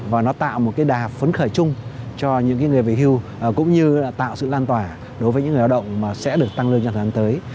và nó tạo một cái đà phấn khởi chung cho những người về hưu cũng như là tạo sự lan tỏa đối với những người lao động mà sẽ được tăng lương trong thời gian tới